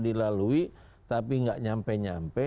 dilalui tapi nggak nyampe nyampe